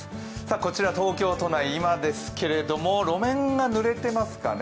こちら東京都内、今ですけれども路面がぬれていますかね。